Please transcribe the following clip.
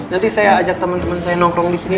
nanti saya ajak temen temen saya nongkrong disini